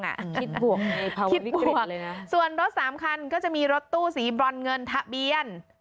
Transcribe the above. คิดบวกคิดบวกส่วนรถสามคันก็จะมีรถตู้สีบรรเงินทะเบียน